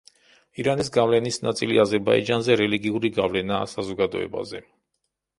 ირანის გავლენის ნაწილი აზერბაიჯანზე რელიგიური გავლენაა საზოგადოებაზე.